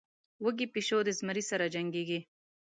وږى پيشو د زمري سره جنکېږي.